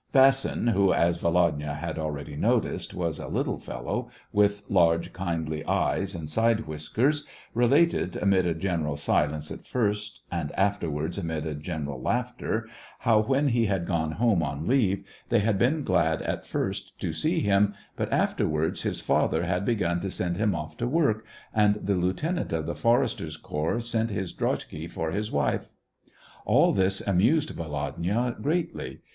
Vasin, who, as Volodya had already noticed, was a little fellow, with large, kindly eyes, and side whiskers, related, amid a general silence at first, and afterwards amid general laughter, how, when he had gone home on leave, they had been glad at first to see him, but afterwards his father SEVASTOPOL IN AUGUST. 233 had begun to send him off to work, and the lieutenant of the foresters' corps sent his drozhki for his wife. All this amused Volodya greatly.